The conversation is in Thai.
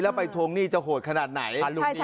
แล้วไปทวงหนี้จะโหดขนาดไหน